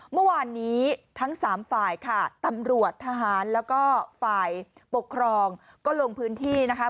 เมื่อวานนี้ทั้งสามฝ่ายค่ะตำรวจทหารแล้วก็ฝ่ายปกครองก็ลงพื้นที่นะคะ